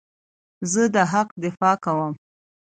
زه د حق دفاع کوم.